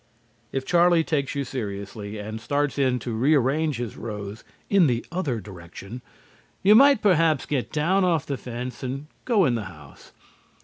If Charlie takes you seriously and starts in to rearrange his rows in the other direction, you might perhaps get down off the fence and go in the house.